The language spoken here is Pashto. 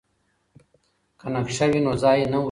که نقشه وي نو ځای نه ورکېږي.